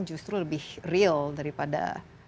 justru lebih real daripada